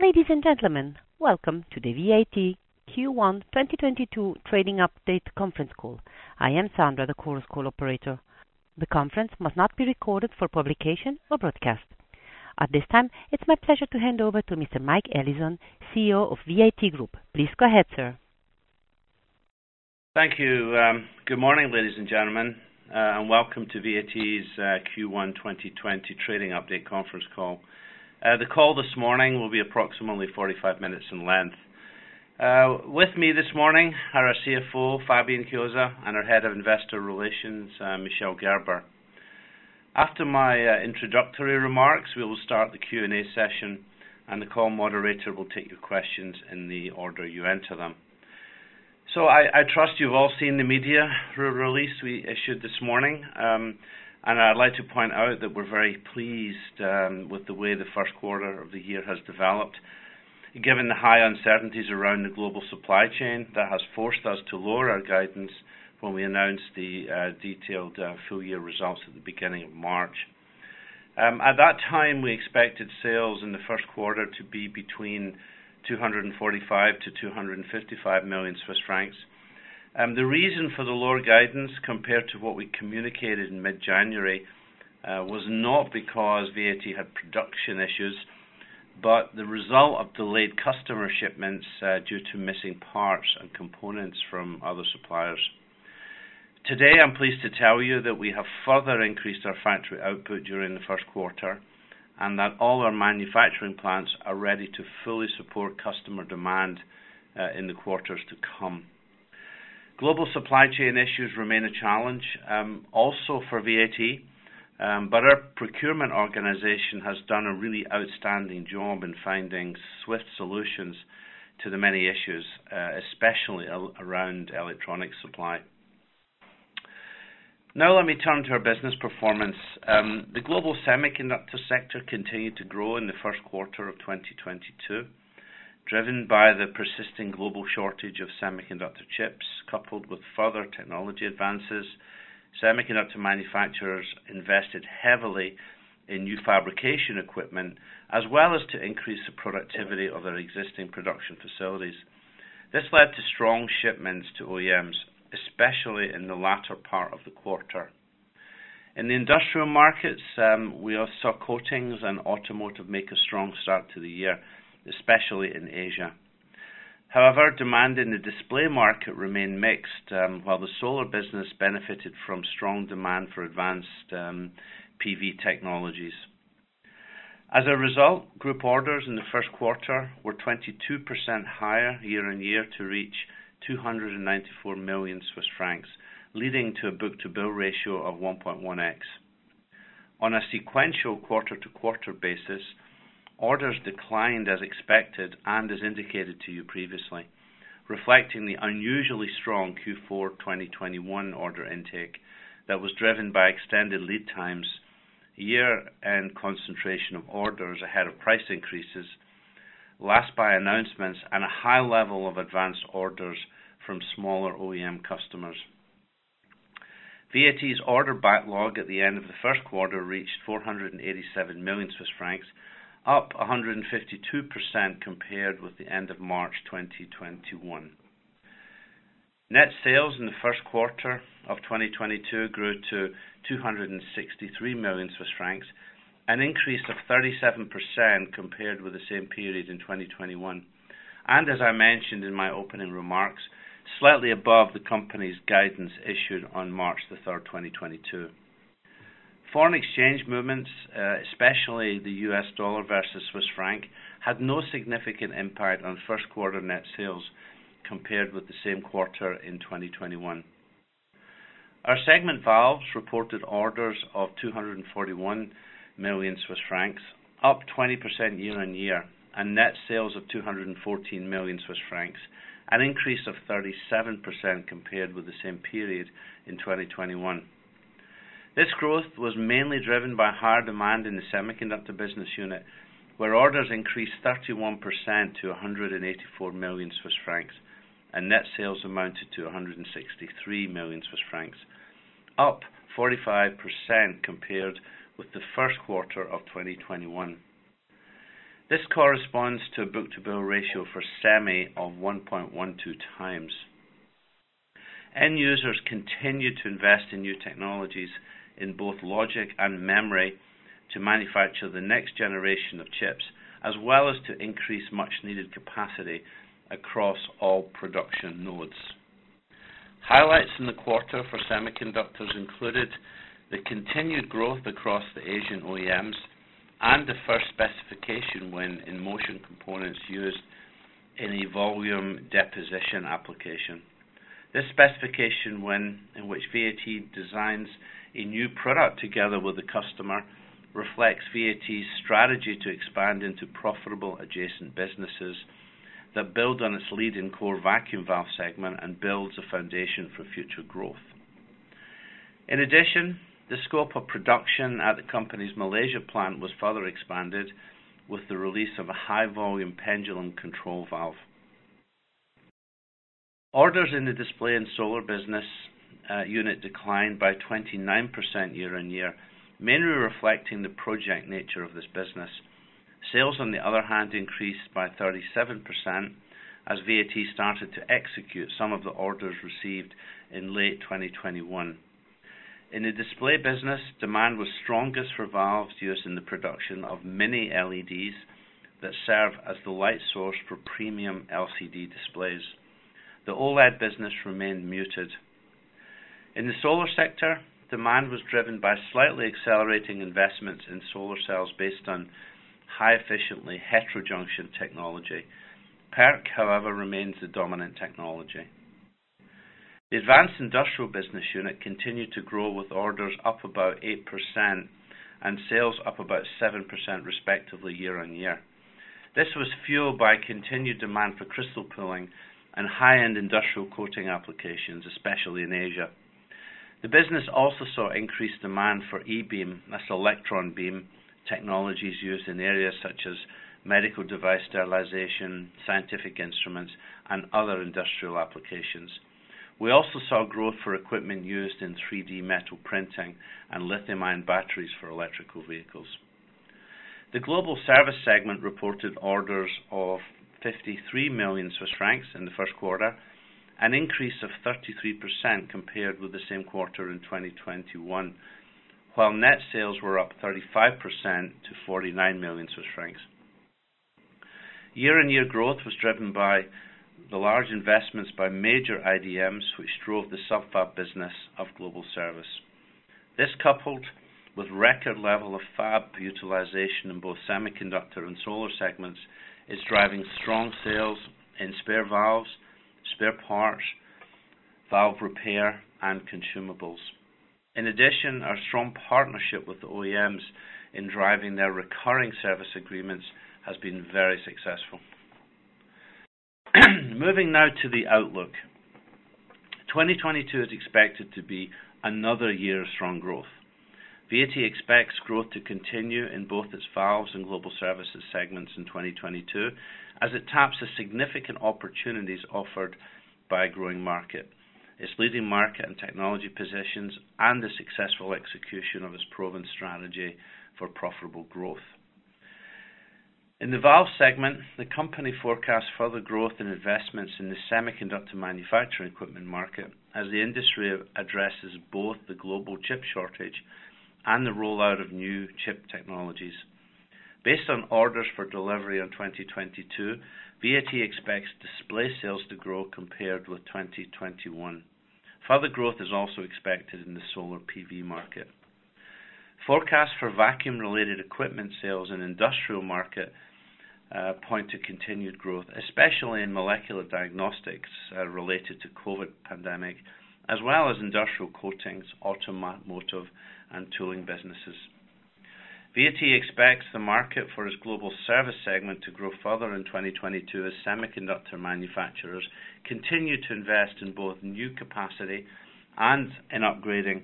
Ladies and gentlemen, welcome to the VAT Q1 2022 Trading Update Conference Call. I am Sandra, the Chorus Call operator. The conference must not be recorded for publication or broadcast. At this time, it's my pleasure to hand over to Mr. Mike Allison, CEO of VAT Group. Please go ahead, sir. Thank you. Good morning, ladies and gentlemen, and welcome to VAT's Q1 2020 Trading Update Conference Call. The call this morning will be approximately 45 minutes in length. With me this morning are our CFO, Fabian Chiozza, and our Head of Investor Relations, Michel Gerber. After my introductory remarks, we will start the Q&A session and the call moderator will take your questions in the order you enter them. I trust you've all seen the media release we issued this morning. I'd like to point out that we're very pleased with the way the first quarter of the year has developed, given the high uncertainties around the global supply chain that has forced us to lower our guidance when we announced the detailed full year results at the beginning of March. At that time, we expected sales in the first quarter to be between 245 million and 255 million Swiss francs. The reason for the lower guidance compared to what we communicated in mid-January was not because VAT had production issues, but the result of delayed customer shipments due to missing parts and components from other suppliers. Today, I'm pleased to tell you that we have further increased our factory output during the first quarter, and that all our manufacturing plants are ready to fully support customer demand in the quarters to come. Global supply chain issues remain a challenge also for VAT, but our procurement organization has done a really outstanding job in finding swift solutions to the many issues, especially around electronic supply. Now let me turn to our business performance. The global semiconductor sector continued to grow in the first quarter of 2022, driven by the persisting global shortage of semiconductor chips. Coupled with further technology advances, semiconductor manufacturers invested heavily in new fabrication equipment, as well as to increase the productivity of their existing production facilities. This led to strong shipments to OEMs, especially in the latter part of the quarter. In the industrial markets, we saw coatings and automotive make a strong start to the year, especially in Asia. However, demand in the display market remained mixed, while the solar business benefited from strong demand for advanced PV technologies. As a result, group orders in the first quarter were 22% higher year-on-year to reach 294 million Swiss francs, leading to a book-to-bill ratio of 1.1x. On a sequential quarter-to-quarter basis, orders declined as expected and as indicated to you previously, reflecting the unusually strong Q4 2021 order intake that was driven by extended lead times, year-end concentration of orders ahead of price increases, last by announcements, and a high level of advanced orders from smaller OEM customers. VAT's order backlog at the end of the first quarter reached 487 million Swiss francs, up 152% compared with the end of March 2021. Net sales in the first quarter of 2022 grew to 263 million Swiss francs, an increase of 37% compared with the same period in 2021. As I mentioned in my opening remarks, slightly above the company's guidance issued on 3 March 2022. Foreign exchange movements, especially the U.S. dollar versus Swiss franc, had no significant impact on first quarter net sales compared with the same quarter in 2021. Our segment valves reported orders of 241 million Swiss francs, up 20% year-on-year, and net sales of 214 million Swiss francs, an increase of 37% compared with the same period in 2021. This growth was mainly driven by higher demand in the semiconductor business unit, where orders increased 31% to 184 million Swiss francs, and net sales amounted to 163 million Swiss francs, up 45% compared with the first quarter of 2021. This corresponds to a book-to-bill ratio for semi of 1.12x. End users continued to invest in new technologies in both logic and memory to manufacture the next generation of chips, as well as to increase much needed capacity across all production nodes. Highlights in the quarter for semiconductors included the continued growth across the Asian OEMs and the first specification win in Motion Components used in a volume deposition application. This specification win, in which VAT designs a new product together with the customer, reflects VAT's strategy to expand into profitable adjacent businesses that build on its leading core vacuum valve segment and builds a foundation for future growth. In addition, the scope of production at the company's Malaysia plant was further expanded with the release of a high volume Pendulum Control Valve. Orders in the display and solar business unit declined by 29% year-on-year, mainly reflecting the project nature of this business. Sales, on the other hand, increased by 37% as VAT started to execute some of the orders received in late 2021. In the display business, demand was strongest for valves used in the production of Mini LEDs that serve as the light source for premium LCD displays. The OLED business remained muted. In the solar sector, demand was driven by slightly accelerating investments in solar cells based on high-efficiency heterojunction technology. PERC, however, remains the dominant technology. The advanced industrial business unit continued to grow with orders up about 8% and sales up about 7% respectively year-on-year. This was fueled by continued demand for crystal pulling and high-end industrial coating applications, especially in Asia. The business also saw increased demand for E-beam, that's electron beam technologies used in areas such as medical device sterilization, scientific instruments, and other industrial applications. We also saw growth for equipment used in 3D metal printing and lithium-ion batteries for electric vehicles. The Global Service segment reported orders of 53 million Swiss francs in the first quarter, an increase of 33% compared with the same quarter in 2021. While net sales were up 35% to 49 million Swiss francs. Year-on-year growth was driven by the large investments by major IDMs, which drove the sub-fab business of Global Service. This coupled with record level of fab utilization in both semiconductor and solar segments, is driving strong sales in spare valves, spare parts, valve repair, and consumables. In addition, our strong partnership with the OEMs in driving their recurring service agreements has been very successful. Moving now to the outlook. 2022 is expected to be another year of strong growth. VAT expects growth to continue in both its valves and global services segments in 2022 as it taps the significant opportunities offered by a growing market, its leading market and technology positions, and the successful execution of its proven strategy for profitable growth. In the valve segment, the company forecasts further growth in investments in the semiconductor manufacturing equipment market as the industry addresses both the global chip shortage and the rollout of new chip technologies. Based on orders for delivery on 2022, VAT expects display sales to grow compared with 2021. Further growth is also expected in the solar PV market. Forecast for vacuum-related equipment sales in industrial market point to continued growth, especially in molecular diagnostics related to COVID pandemic, as well as industrial coatings, automotive, and tooling businesses. VAT expects the market for its Global Service segment to grow further in 2022 as semiconductor manufacturers continue to invest in both new capacity and in upgrading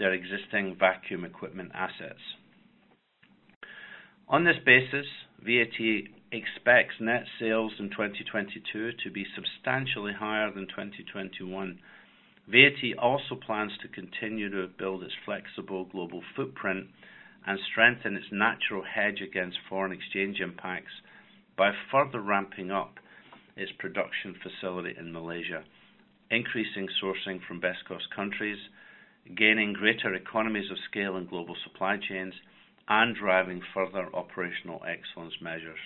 their existing vacuum equipment assets. On this basis, VAT expects net sales in 2022 to be substantially higher than 2021. VAT also plans to continue to build its flexible global footprint and strengthen its natural hedge against foreign exchange impacts by further ramping up its production facility in Malaysia, increasing sourcing from best cost countries, gaining greater economies of scale in global supply chains, and driving further operational excellence measures.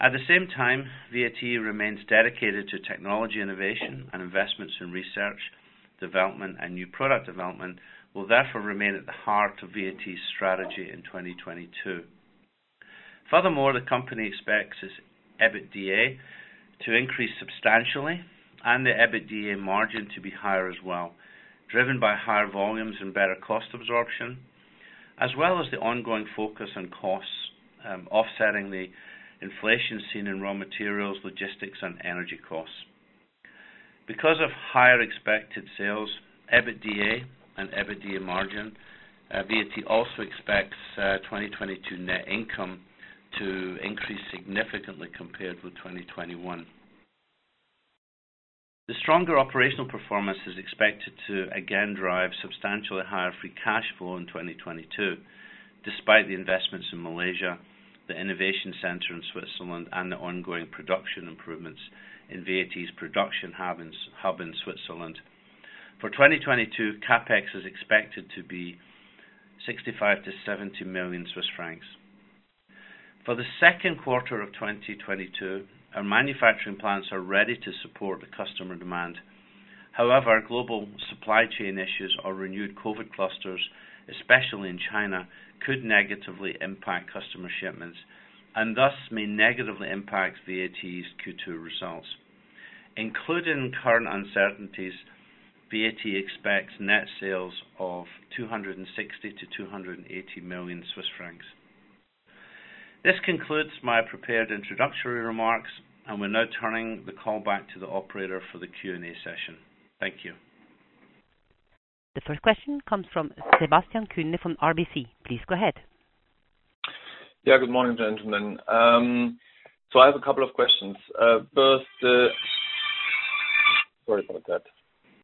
At the same time, VAT remains dedicated to technology innovation and investments in research, development and new product development will therefore remain at the heart of VAT's strategy in 2022. Furthermore, the company expects its EBITDA to increase substantially and the EBITDA margin to be higher as well, driven by higher volumes and better cost absorption, as well as the ongoing focus on costs, offsetting the inflation seen in raw materials, logistics, and energy costs. Because of higher expected sales, EBITDA and EBITDA margin, VAT also expects, 2022 net income to increase significantly compared with 2021. The stronger operational performance is expected to again drive substantially higher free cash flow in 2022, despite the investments in Malaysia, the innovation center in Switzerland, and the ongoing production improvements in VAT's production hub in Switzerland. For 2022, CapEx is expected to be 65 to 70 million. For the second quarter of 2022, our manufacturing plants are ready to support the customer demand. However, global supply chain issues or renewed COVID clusters, especially in China, could negatively impact customer shipments and thus may negatively impact VAT's Q2 results. Including current uncertainties, VAT expects net sales of 260 million-280 million Swiss francs. This concludes my prepared introductory remarks, and we're now turning the call back to the operator for the Q&A session. Thank you. The first question comes from Sebastian Kuenne from RBC. Please go ahead. Yeah. Good morning, gentlemen. I have a couple of questions.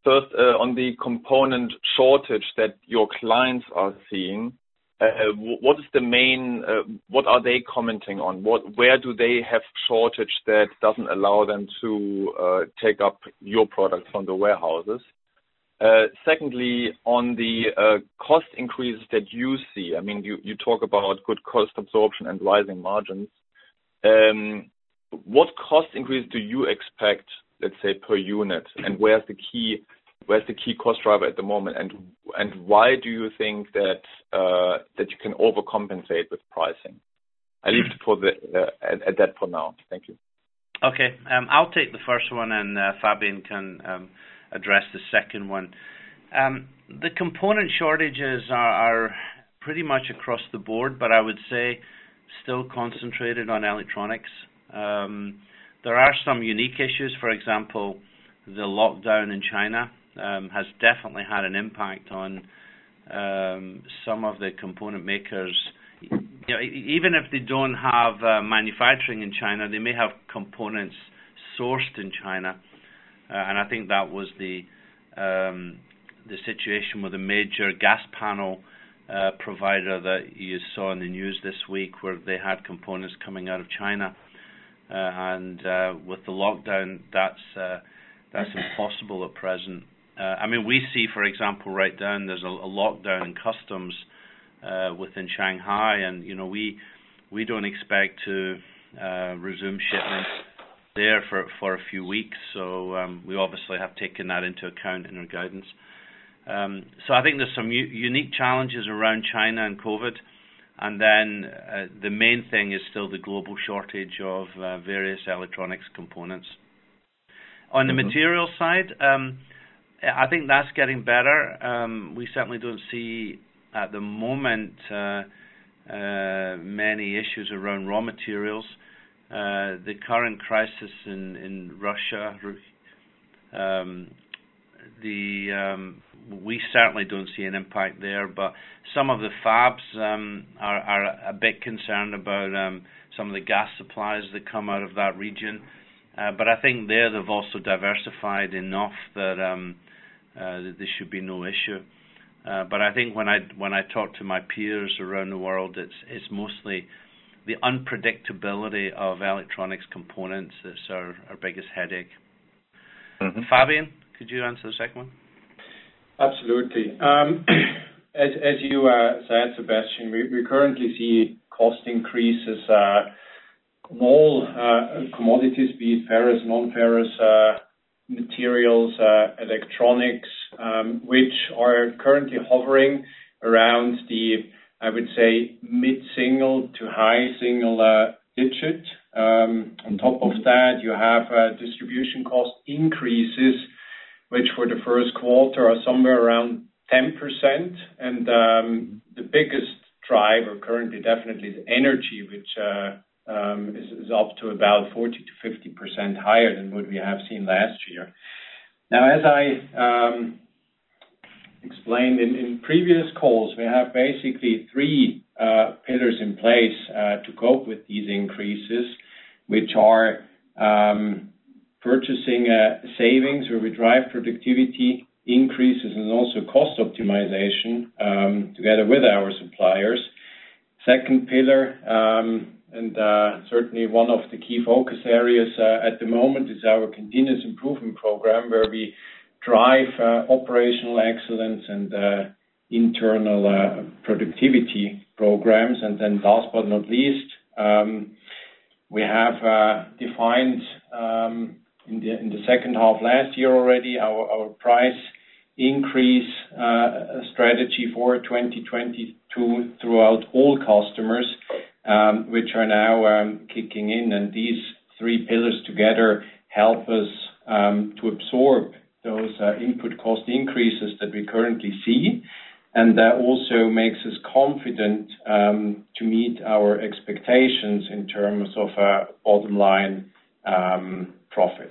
First, on the component shortage that your clients are seeing, what are they commenting on? Where do they have shortage that doesn't allow them to take up your products from the warehouses? Secondly, on the cost increase that you see, I mean, you talk about good cost absorption and rising margins. What cost increase do you expect, let's say, per unit? And where's the key cost driver at the moment? And why do you think that you can overcompensate with pricing? I leave it at that for now. Thank you. Okay. I'll take the first one and Fabian can address the second one. The component shortages are pretty much across the board, but I would say still concentrated on electronics. There are some unique issues, for example, the lockdown in China has definitely had an impact on some of the component makers. You know, even if they don't have manufacturing in China, they may have components sourced in China. I think that was the situation with a major gas panel provider that you saw in the news this week, where they had components coming out of China. With the lockdown, that's impossible at present. I mean, we see, for example, right now there's a lockdown in customs within Shanghai and, you know, we don't expect to resume shipments there for a few weeks. We obviously have taken that into account in our guidance. I think there's some unique challenges around China and COVID. The main thing is still the global shortage of various electronics components. Mm-hmm. On the material side, I think that's getting better. We certainly don't see at the moment many issues around raw materials. The current crisis in Russia, we certainly don't see an impact there, but some of the fabs are a bit concerned about some of the gas supplies that come out of that region. I think there they've also diversified enough that there should be no issue. I think when I talk to my peers around the world, it's mostly the unpredictability of electronics components that's our biggest headache. Mm-hmm. Fabian, could you answer the second one? Absolutely. As you said, Sebastian, we currently see cost increases all commodities, be it ferrous, non-ferrous, materials, electronics, which are currently hovering around the, I would say, mid-single to high single digit. On top of that, you have distribution cost increases, which for the first quarter are somewhere around 10%. The biggest driver currently definitely is energy, which is up to about 40%-50% higher than what we have seen last year. Now, as I explained in previous calls, we have basically three pillars in place to cope with these increases, which are purchasing savings, where we drive productivity increases and also cost optimization together with our suppliers. Second pillar, certainly one of the key focus areas at the moment is our continuous improvement program, where we drive operational excellence and internal productivity programs. Last but not least, we have defined in the second half last year already, our price increase strategy for 2022 throughout all customers, which are now kicking in. These three pillars together help us to absorb those input cost increases that we currently see. That also makes us confident to meet our expectations in terms of bottom line profit.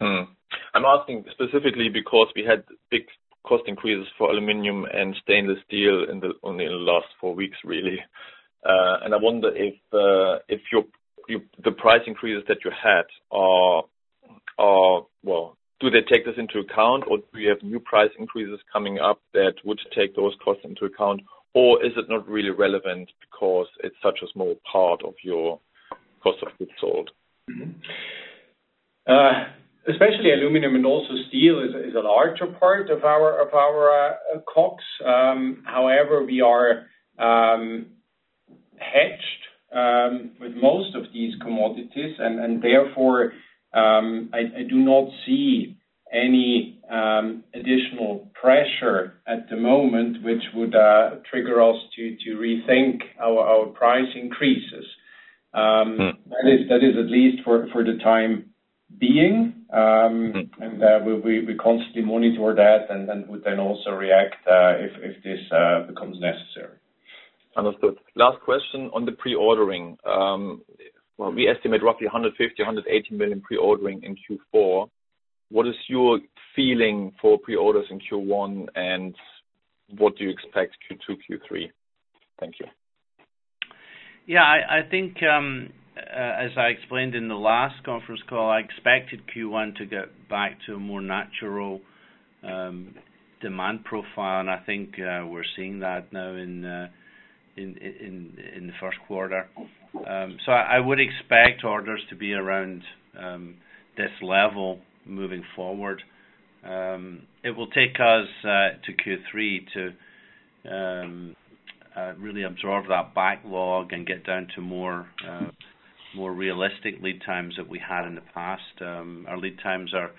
I'm asking specifically because we had big cost increases for aluminum and stainless steel only in the last four weeks, really. I wonder if your price increases that you had are. Well, do they take this into account or do you have new price increases coming up that would take those costs into account? Or is it not really relevant because it's such a small part of your cost of goods sold? Especially aluminum and also steel is a larger part of our COGS. However, we are hedged with most of these commodities and therefore I do not see any additional pressure at the moment which would trigger us to rethink our price increases. Mm. That is at least for the time being. Mm. We constantly monitor that and then we also react if this becomes necessary. Understood. Last question on the pre-ordering. We estimate roughly 150 million-180 million pre-ordering in Q4. What is your feeling for pre-orders in Q1, and what do you expect Q2, Q3? Thank you. I think as I explained in the last conference call, I expected Q1 to get back to a more natural demand profile, and I think we're seeing that now in the first quarter. I would expect orders to be around this level moving forward. It will take us to Q3 to really absorb that backlog and get down to more realistic lead times that we had in the past. Our lead times are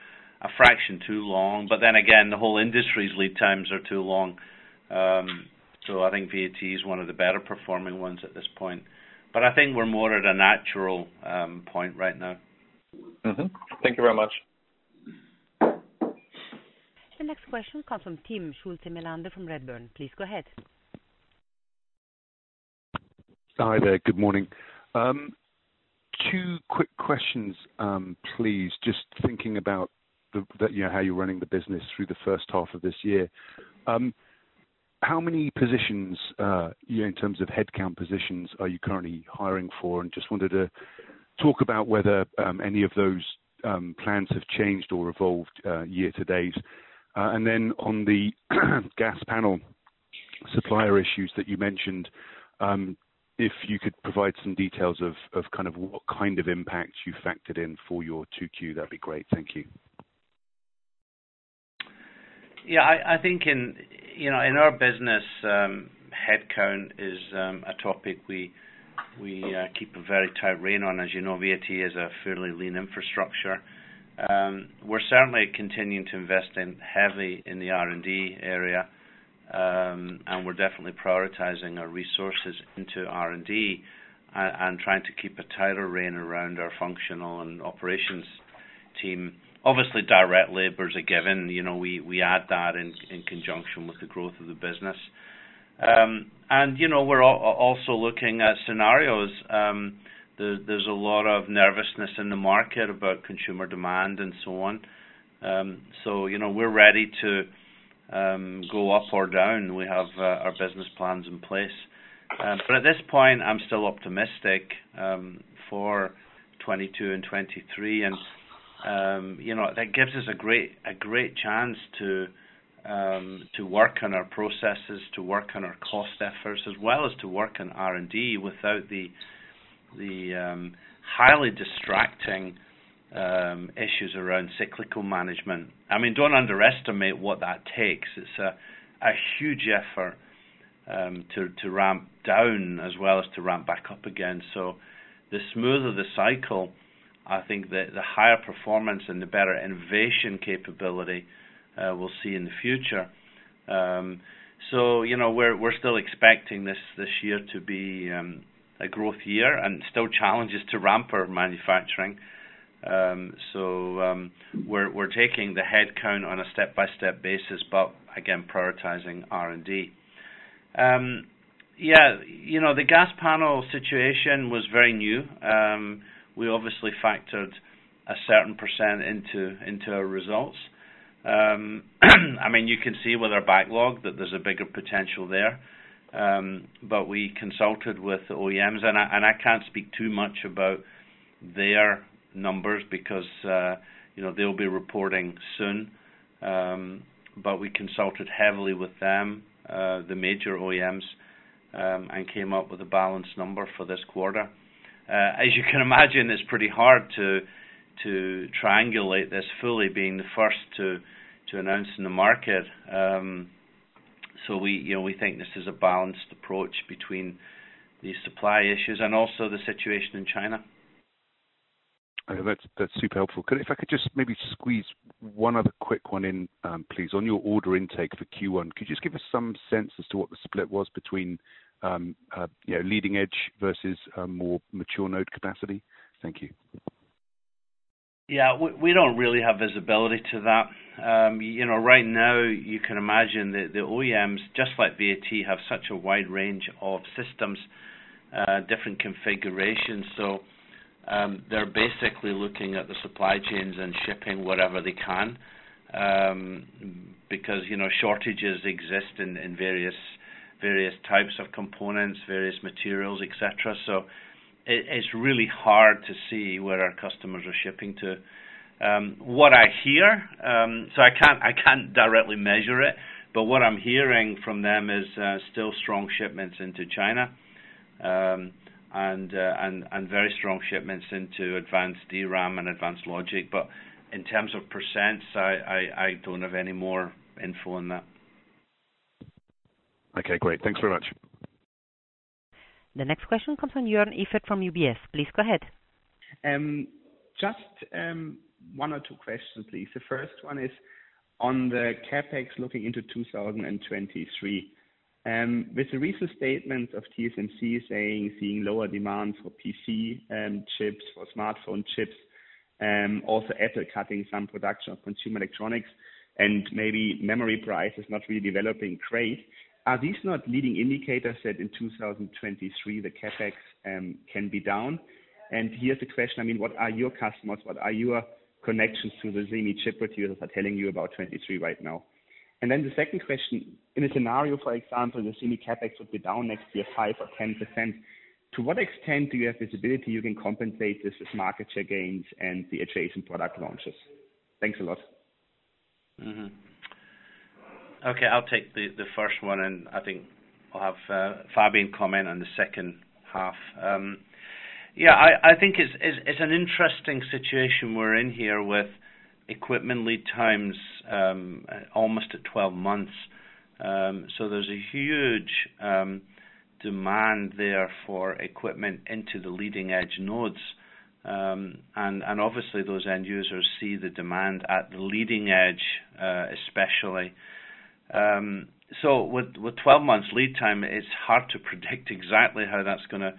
a fraction too long, but then again, the whole industry's lead times are too long. I think VAT's one of the better performing ones at this point. I think we're more at a natural point right now. Thank you very much. The next question comes from Timm Schulze-Melander from Redburn. Please go ahead. Hi there. Good morning. Two quick questions, please. Just thinking about you know, how you're running the business through the first half of this year. How many positions, you know, in terms of headcount positions, are you currently hiring for? Just wanted to talk about whether any of those plans have changed or evolved, year to date. On the gas panel supplier issues that you mentioned, if you could provide some details of kind of what kind of impact you factored in for your 2Q, that'd be great. Thank you. Yeah. I think, you know, in our business, headcount is a topic we keep a very tight rein on. As you know, VAT is a fairly lean infrastructure. We're certainly continuing to invest heavily in the R&D area, and we're definitely prioritizing our resources into R&D and trying to keep a tighter rein around our functional and operations team. Obviously, direct labor is a given. You know, we add that in conjunction with the growth of the business. You know, we're also looking at scenarios. There's a lot of nervousness in the market about consumer demand and so on. You know, we're ready to go up or down. We have our business plans in place. At this point, I'm still optimistic for 2022 and 2023. That gives us a great chance to work on our processes, to work on our cost efforts, as well as to work on R&D without the highly distracting issues around cyclical management. I mean, don't underestimate what that takes. It's a huge effort to ramp down as well as to ramp back up again. The smoother the cycle, I think the higher performance and the better innovation capability we'll see in the future. You know, we're still expecting this year to be a growth year and still challenges to ramp our manufacturing. We're taking the headcount on a step-by-step basis, but again, prioritizing R&D. You know, the gas panel situation was very new. We obviously factored a certain percent into our results. I mean, you can see with our backlog that there's a bigger potential there. We consulted with OEMs, and I can't speak too much about their numbers because you know they'll be reporting soon. We consulted heavily with them, the major OEMs, and came up with a balanced number for this quarter. As you can imagine, it's pretty hard to triangulate this fully being the first to announce in the market. We you know we think this is a balanced approach between these supply issues and also the situation in China. Okay. That's super helpful. If I could just maybe squeeze one other quick one in, please. On your order intake for Q1, could you just give us some sense as to what the split was between, you know, leading edge versus a more mature node capacity? Thank you. Yeah. We don't really have visibility to that. You know, right now, you can imagine that the OEMs, just like VAT, have such a wide range of systems, different configurations. They're basically looking at the supply chains and shipping whatever they can, because, you know, shortages exist in various types of components, various materials, et cetera. It's really hard to see where our customers are shipping to. What I hear, so I can't directly measure it, but what I'm hearing from them is still strong shipments into China. And very strong shipments into advanced DRAM and advanced logic. But in terms of percents, I don't have any more info on that. Okay, great. Thanks very much. The next question comes from Joern Iffert from UBS. Please go ahead. Just one or two questions, please. The first one is on the CapEx looking into 2023. With the recent statements of TSMC saying seeing lower demand for PC chips or smartphone chips Also after cutting some production of consumer electronics and maybe memory prices are not really developing great. Are these not leading indicators that in 2023, the CapEx can be down? Here's the question, I mean, what are your customers and what are your connections to the semi chip producers telling you about 2023 right now? Then the second question, in a scenario, for example, the semi CapEx would be down next year, 5% or 10%. To what extent do you have visibility you can compensate this as market share gains and the adjacent product launches? Thanks a lot. Okay, I'll take the first one, and I think I'll have Fabian comment on the second half. Yeah, I think it's an interesting situation we're in here with equipment lead times almost at 12 months. There's a huge demand there for equipment into the leading edge nodes. Obviously those end users see the demand at the leading edge, especially. With 12 months lead time, it's hard to predict exactly how that's gonna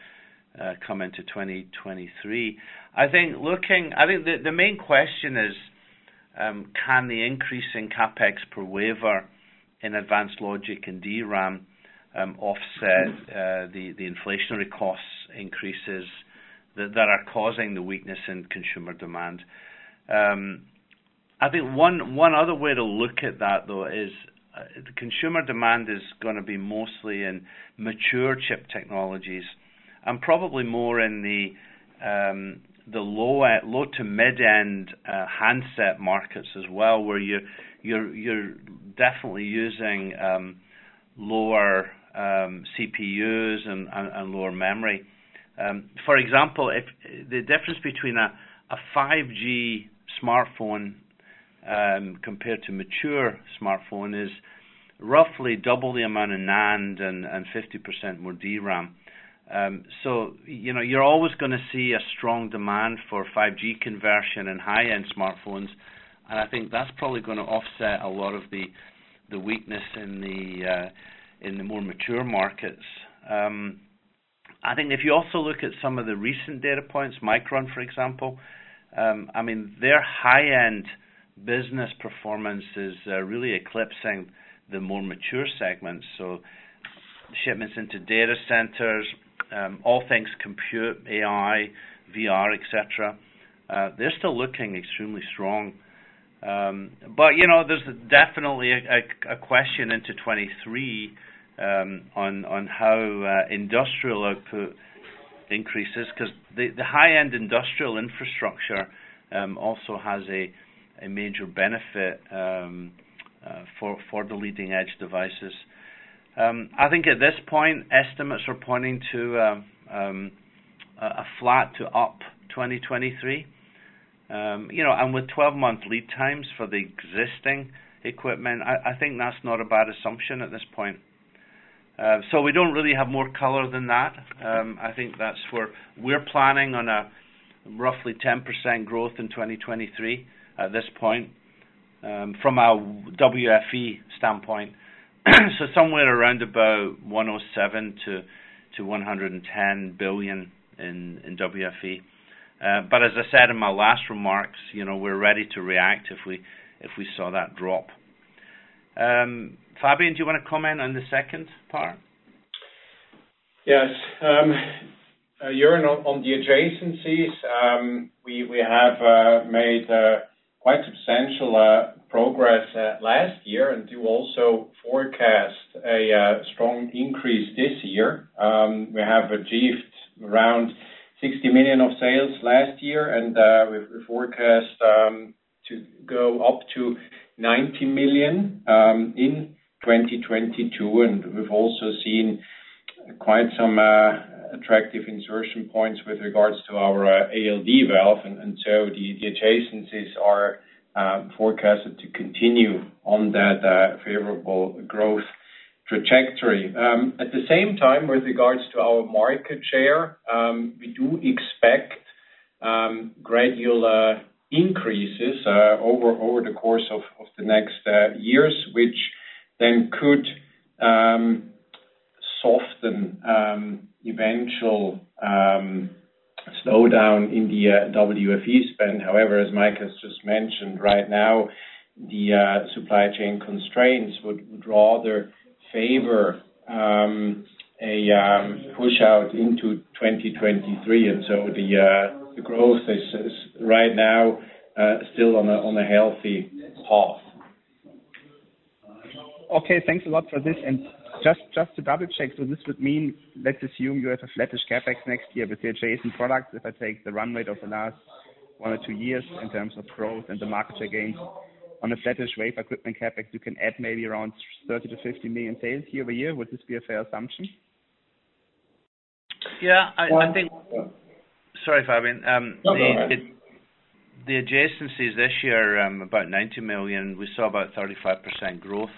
come into 2023. I think looking, I think the main question is, can the increase in CapEx per wafer in advanced logic and DRAM offset the inflationary cost increases that are causing the weakness in consumer demand? I think one other way to look at that though is, the consumer demand is gonna be mostly in mature chip technologies and probably more in the low to mid-end handset markets as well, where you're definitely using lower CPUs and lower memory. For example, if the difference between a 5G smartphone compared to mature smartphone is roughly double the amount of NAND and 50% more DRAM. You know, you're always gonna see a strong demand for 5G conversion in high-end smartphones. I think that's probably gonna offset a lot of the weakness in the more mature markets. I think if you also look at some of the recent data points, Micron, for example, I mean, their high-end business performance is really eclipsing the more mature segments. Shipments into data centers, all things compute, AI, VR, et cetera, they're still looking extremely strong. You know, there's definitely a question into 2023 on how industrial output increases 'cause the high-end industrial infrastructure also has a major benefit for the leading edge devices. I think at this point, estimates are pointing to a flat to up 2023. You know, with 12-month lead times for the existing equipment, I think that's not a bad assumption at this point. We don't really have more color than that. I think that's where we're planning on a roughly 10% growth in 2023 at this point, from a WFE standpoint. Somewhere around about $107 to 110 billion in WFE. As I said in my last remarks, you know, we're ready to react if we saw that drop. Fabian, do you wanna comment on the second part? Yes. Joern, on the adjacencies, we have made quite substantial progress last year and do also forecast a strong increase this year. We have achieved around 60 million of sales last year, and we forecast to go up to 90 million in 2022. We've also seen quite some attractive insertion points with regards to our ALD valve. The adjacencies are forecasted to continue on that favorable growth trajectory. At the same time, with regards to our market share, we do expect gradual increases over the course of the next years, which then could soften eventual slowdown in the WFE spend. However, as Mike has just mentioned, right now, the supply chain constraints would rather favor a push out into 2023, and so the growth is right now still on a healthy path. Okay, thanks a lot for this. Just to double-check, this would mean, let's assume you have a flattish CapEx next year with the adjacent products. If I take the run rate of the last one or two years in terms of growth and the market share gains on a flattish wafer equipment CapEx, you can add maybe around 30 million-50 million sales year-over-year. Would this be a fair assumption? Yeah. I think. Well- Sorry, Fabian. No, go ahead. The adjacencies this year, about 90 million, we saw about 35% growth.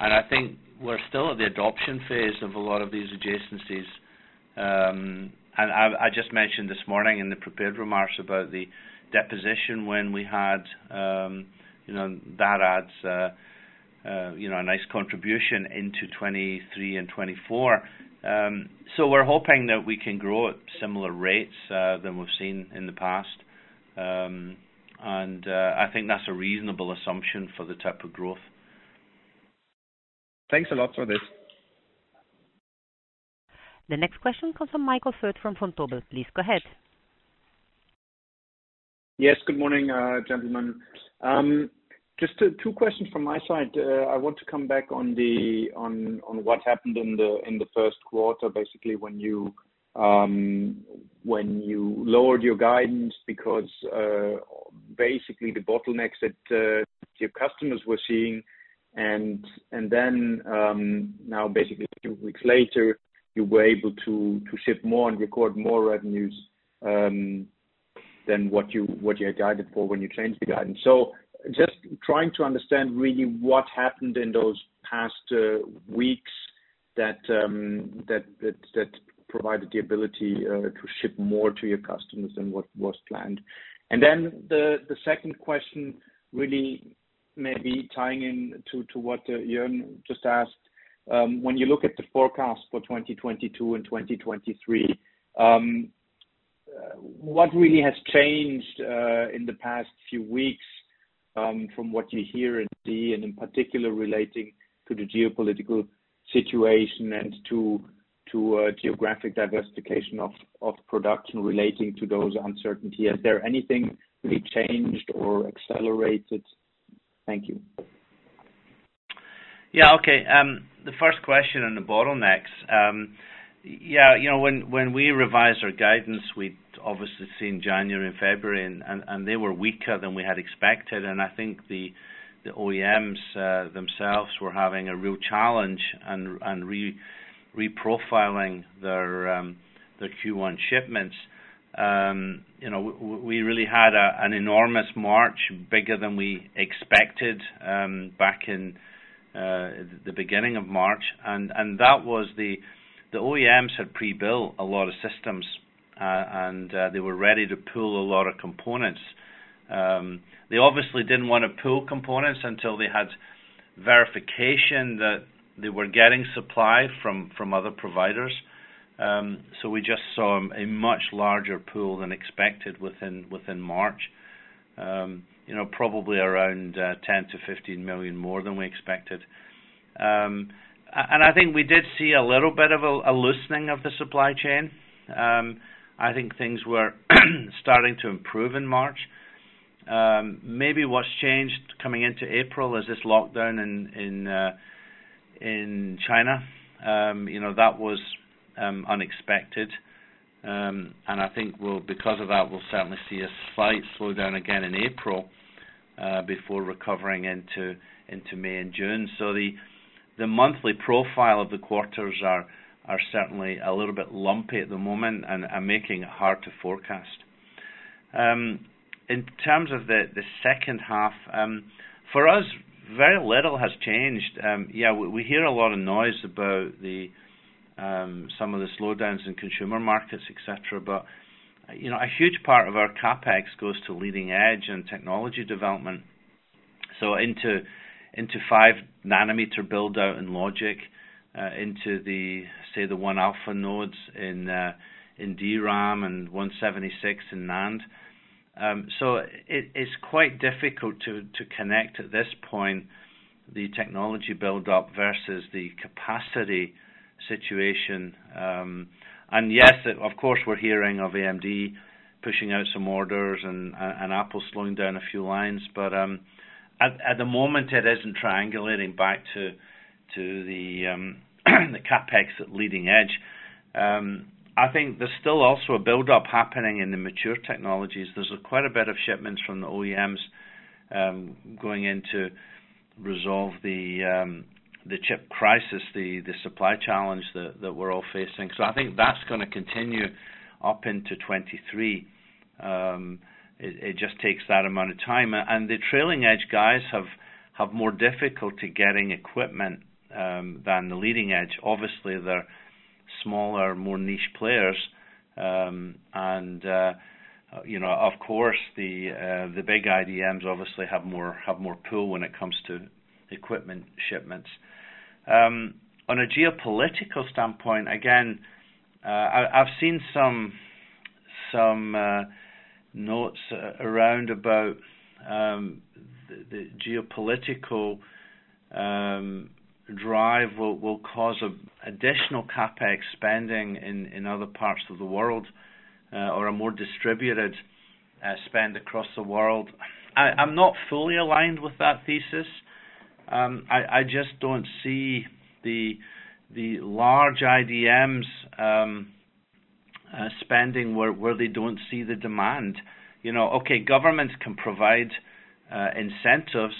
I think we're still at the adoption phase of a lot of these adjacencies. I've just mentioned this morning in the prepared remarks about the deposition when we had, you know, that adds, you know, a nice contribution into 2023 and 2024. We're hoping that we can grow at similar rates to what we've seen in the past. I think that's a reasonable assumption for the type of growth. Thanks a lot for this. The next question comes from Michael Foeth from Vontobel. Please go ahead. Yes, good morning, gentlemen. Just two questions from my side. I want to come back on what happened in the first quarter, basically when you lowered your guidance because basically the bottlenecks that your customers were seeing and then now basically two weeks later, you were able to ship more and record more revenues than what you had guided for when you changed the guidance. Just trying to understand really what happened in those past weeks that provided the ability to ship more to your customers than what was planned. The second question really maybe tying in to what Joern just asked. When you look at the forecast for 2022 and 2023, what really has changed in the past few weeks from what you hear and see, and in particular relating to the geopolitical situation and to geographic diversification of production relating to those uncertainty? Is there anything really changed or accelerated? Thank you. Yeah. Okay. The first question on the bottlenecks. Yeah, you know, when we revised our guidance, we'd obviously seen January and February and they were weaker than we had expected. I think the OEMs themselves were having a real challenge and reprofiling their Q1 shipments. You know, we really had an enormous March, bigger than we expected, back in the beginning of March. The OEMs had pre-built a lot of systems, and they were ready to pull a lot of components. They obviously didn't wanna pull components until they had verification that they were getting supply from other providers. We just saw a much larger pool than expected within March, you know, probably around 10 to 15 million more than we expected. I think we did see a little bit of a loosening of the supply chain. I think things were starting to improve in March. Maybe what's changed coming into April is this lockdown in China. You know, that was unexpected. I think we'll, because of that, certainly see a slight slowdown again in April before recovering into May and June. The monthly profile of the quarters are certainly a little bit lumpy at the moment and making it hard to forecast. In terms of the second half, for us, very little has changed. Yeah, we hear a lot of noise about some of the slowdowns in consumer markets, et cetera. You know, a huge part of our CapEx goes to leading edge and technology development. Into 5 nm build-out in logic, into the, say, the 1α nodes in DRAM and 176-layer in NAND. It's quite difficult to connect at this point, the technology build-up versus the capacity situation. Yes, of course, we're hearing of AMD pushing out some orders and Apple slowing down a few lines. At the moment, it isn't triangulating back to the CapEx at leading edge. I think there's still also a build-up happening in the mature technologies. There's quite a bit of shipments from the OEMs going in to resolve the chip crisis, the supply challenge that we're all facing. I think that's gonna continue up into 2023. It just takes that amount of time. The trailing edge guys have more difficulty getting equipment than the leading edge. Obviously, they're smaller, more niche players. You know, of course, the big IDMs obviously have more pull when it comes to equipment shipments. On a geopolitical standpoint, again, I've seen some notes around about the geopolitical drive will cause additional CapEx spending in other parts of the world or a more distributed spend across the world. I'm not fully aligned with that thesis. I just don't see the large IDMs spending where they don't see the demand. You know, okay, governments can provide incentives,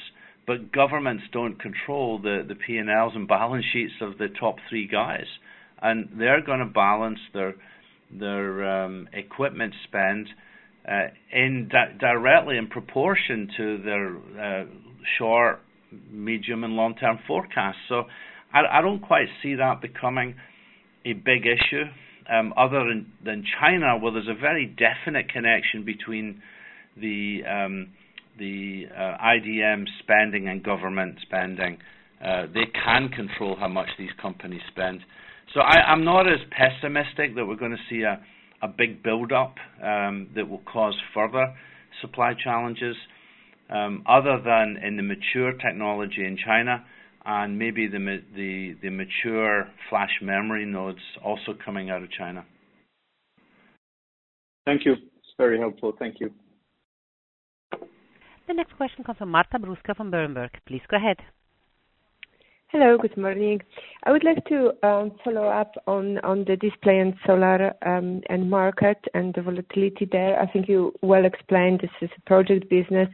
but governments don't control the P&Ls and balance sheets of the top three guys. They're gonna balance their equipment spend directly in proportion to their short, medium, and long-term forecasts. I don't quite see that becoming a big issue other than China, where there's a very definite connection between the IDM spending and government spending. They can control how much these companies spend. I'm not as pessimistic that we're gonna see a big build-up that will cause further supply challenges other than in the mature technology in China and maybe the mature flash memory nodes also coming out of China. Thank you. It's very helpful. Thank you. The next question comes from Marta Bruska from Berenberg. Please go ahead. Hello. Good morning. I would like to follow up on the display and solar market and the volatility there. I think you well explained this is project business.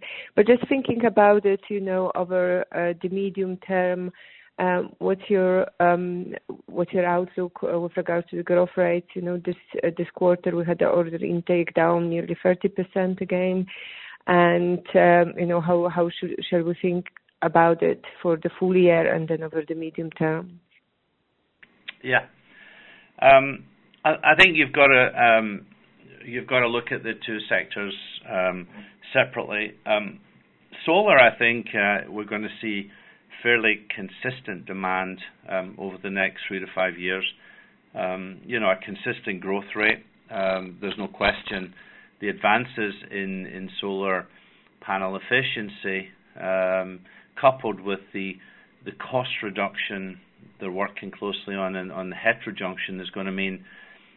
Just thinking about it, you know, over the medium term, what's your outlook with regards to the growth rate? You know, this quarter, we had the order intake down nearly 30% again. You know, how should we think about it for the full year and then over the medium term? Yeah. I think you've gotta look at the two sectors separately. Solar, I think, we're gonna see fairly consistent demand over the next three-five years. You know, a consistent growth rate. There's no question the advances in solar panel efficiency, coupled with the cost reduction they're working closely on the heterojunction is gonna mean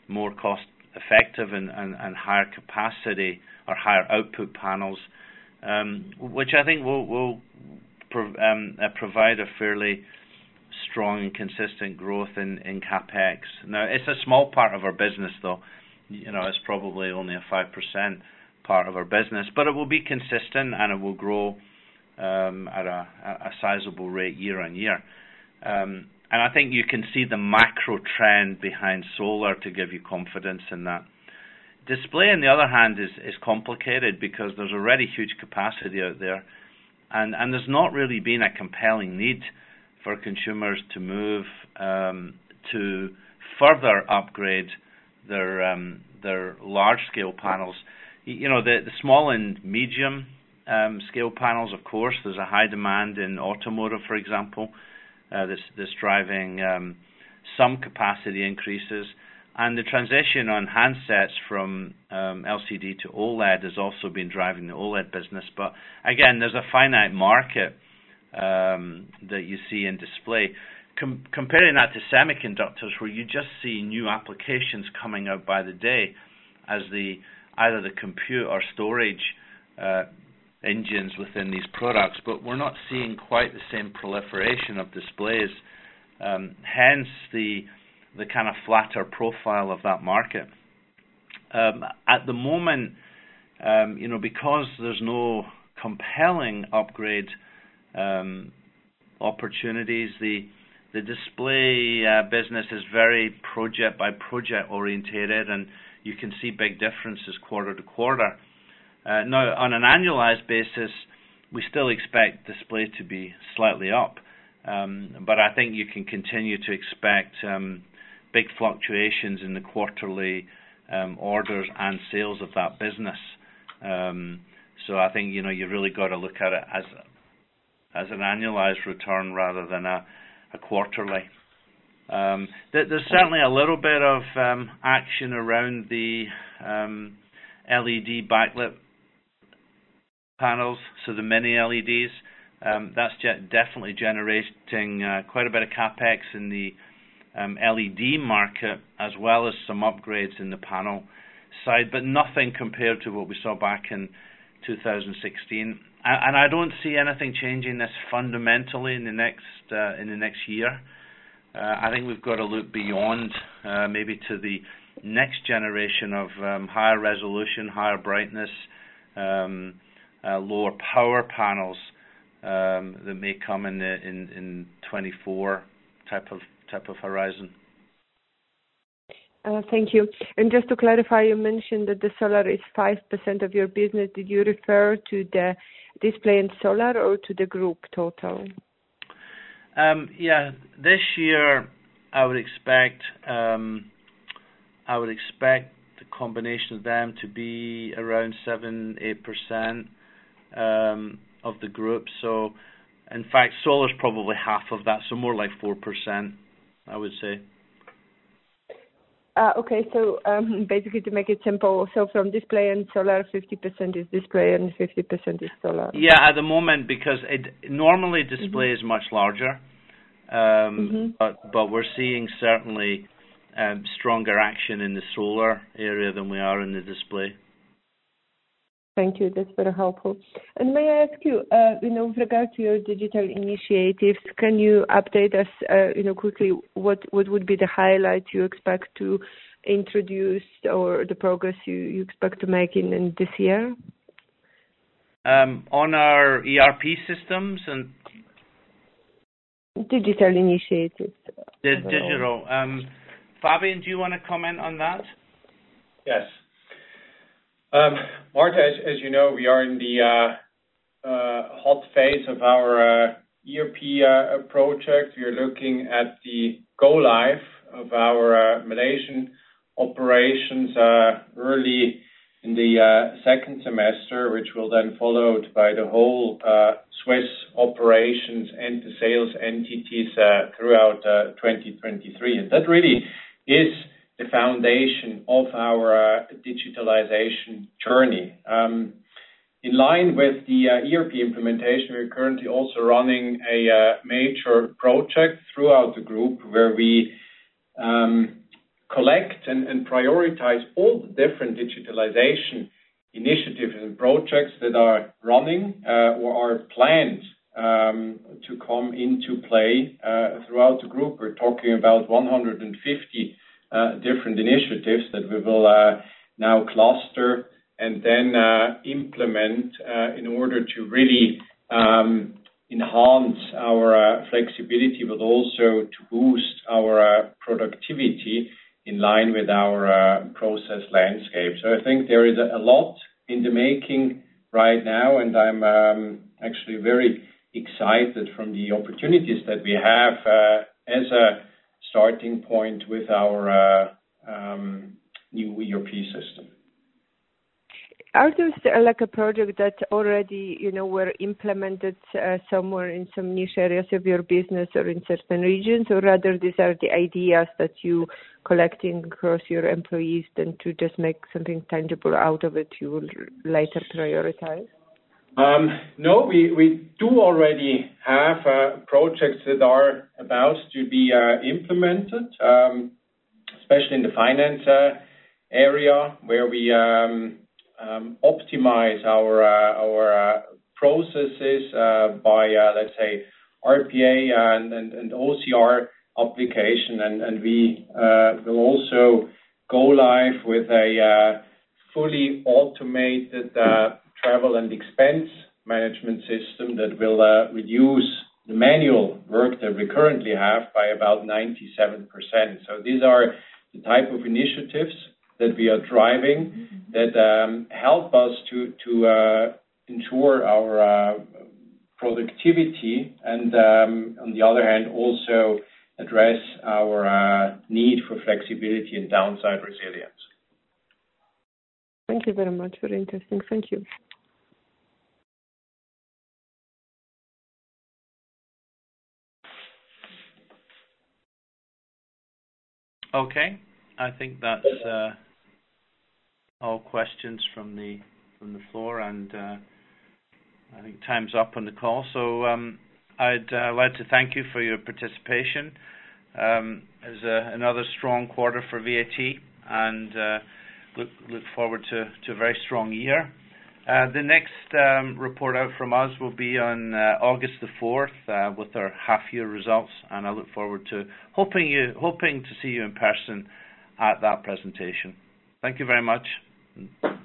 more cost effective and higher capacity or higher output panels, which I think will provide a fairly strong and consistent growth in CapEx. Now, it's a small part of our business, though. You know, it's probably only a 5% part of our business. It will be consistent, and it will grow at a sizable rate year-on-year. I think you can see the macro trend behind solar to give you confidence in that. Display, on the other hand, is complicated because there's already huge capacity out there. There's not really been a compelling need for consumers to move to further upgrade their large-scale panels. You know, the small and medium scale panels, of course, there's a high demand in automotive, for example, that's driving some capacity increases. The transition on handsets from LCD to OLED has also been driving the OLED business. Again, there's a finite market that you see in display. Comparing that to semiconductors, where you just see new applications coming out by the day as either the compute or storage engines within these products. We're not seeing quite the same proliferation of displays, hence the kind of flatter profile of that market. At the moment, you know, because there's no compelling upgrade opportunities, the display business is very project-by-project oriented, and you can see big differences quarter-to-quarter. Now, on an annualized basis, we still expect display to be slightly up. I think you can continue to expect big fluctuations in the quarterly orders and sales of that business. I think, you know, you really gotta look at it as an annualized return rather than a quarterly. There's certainly a little bit of action around the LED backlit panels, so the Mini LEDs. That's definitely generating quite a bit of CapEx in the LED market, as well as some upgrades in the panel side, but nothing compared to what we saw back in 2016. I don't see anything changing this fundamentally in the next year. I think we've got to look beyond maybe to the next generation of higher resolution, higher brightness, lower power panels that may come in the 2024 type of horizon. Thank you. Just to clarify, you mentioned that the solar is 5% of your business. Did you refer to the display and solar or to the group total? This year I would expect the combination of them to be around 7-8% of the group. In fact, solar is probably half of that, so more like 4%, I would say. Okay. Basically to make it simple, so from display and solar, 50% is display and 50% is solar. Yeah. At the moment because it normally display. Mm-hmm. is much larger. Mm-hmm. We're seeing certainly stronger action in the solar area than we are in the display. Thank you. That's very helpful. May I ask you know, with regard to your digital initiatives, can you update us, you know, quickly what would be the highlight you expect to introduce or the progress you expect to make in this year? On our ERP systems and. [inaudible] Digital initiatives. Fabian, do you wanna comment on that? Yes. Marta, as you know, we are in the, ERP project. We are looking at the go live of our Malaysian operations early in the second semester, which will then followed by the whole Swiss operations and the sales entities throughout 2023. That really is the foundation of our digitalization journey. In line with the ERP implementation, we are currently also running a major project throughout the group where we collect and prioritize all the different digitalization initiatives and projects that are running or are planned to come into play throughout the group. We're talking about 150 different initiatives that we will now cluster and then implement in order to really enhance our flexibility, but also to boost our productivity in line with our process landscape. I think there is a lot in the making right now, and I'm actually very excited from the opportunities that we have as a starting point with our new ERP system. Are those, like a project that already, you know, were implemented, somewhere in some niche areas of your business or in certain regions? Or rather these are the ideas that you collecting across your employees that to just make something tangible out of it, you will later prioritize? No, we do already have projects that are about to be implemented, especially in the finance area, where we optimize our processes by, let's say, RPA and OCR application. We will also go live with a fully automated travel and expense management system that will reduce the manual work that we currently have by about 97%. These are the type of initiatives that we are driving that help us to ensure our productivity and, on the other hand, also address our need for flexibility and downside resilience. Thank you very much. Very interesting. Thank you. Okay. I think that's all questions from the floor, and I think time's up on the call. I'd like to thank you for your participation. It was another strong quarter for VAT and look forward to a very strong year. The next report out from us will be on August the fourth with our half year results, and I look forward to hoping to see you in person at that presentation. Thank you very much.